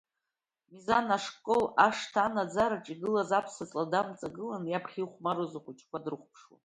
Мизан ашкол ашҭа анаӡараҿы игылаз аԥсаҵла дамҵагылан, иаԥхьа ихәмаруаз ахәыҷқәа дрыхәаԥшуа.